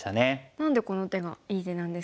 何でこの手がいい手なんですか？